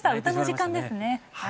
歌の時間ですね。